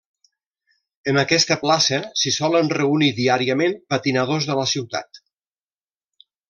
En aquesta plaça s'hi solen reunir diàriament patinadors de la ciutat.